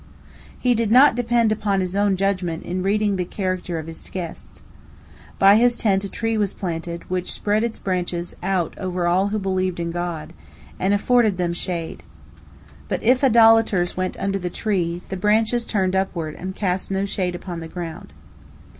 He did not depend upon his own judgment in reading the character of his guests. By his tent a tree was planted, which spread its branches out over all who believed in God, and afforded them shade. But if idolaters went under the tree, the branches turned upward, and cast no shade upon the ground.